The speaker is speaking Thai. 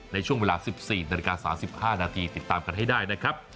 ในช่วงเวลา๑๔นาฬิกา๓๕นาทีติดตามกันให้ได้นะครับ